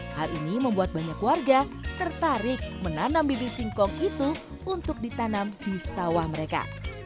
hal ini membuat banyak warga tertarik menanam bibi singkong itu untuk ditanam di sawah mereka